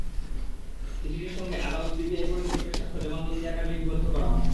চিঠিটির সঙ্গে আদালতে পিবিআই পরিদর্শকের সাক্ষ্য জবানবন্দি আকারে লিপিবদ্ধ করা হয়।